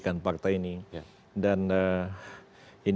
kehidupan yang lebih baik